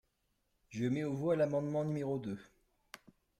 Je mets aux voix l’amendement numéro deux.